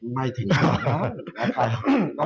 ไม่ถึงนะครับ